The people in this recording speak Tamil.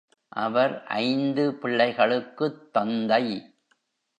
அவர் ஐந்து பிள்ளைகளுக்குத் தந்தை.